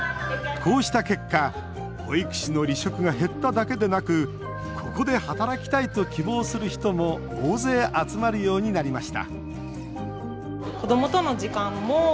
こうした結果保育士の離職が減っただけでなく「ここで働きたい」と希望する人も大勢集まるようになりました